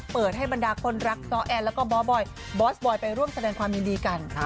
เปิดให้บรรดาคนรักซ้อแอนแล้วก็บ๊อบอยบอสบอยไปร่วมแสดงความยินดีกัน